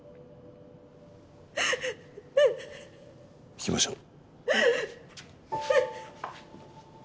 行きましょう。